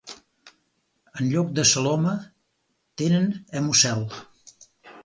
En lloc de celoma tenen hemocel.